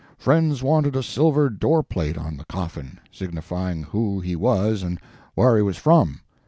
Friends wanted a silver door plate on the coffin, signifying who he was and wher' he was from.